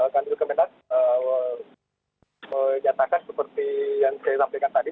kandir kemenang menyatakan seperti yang saya sampaikan tadi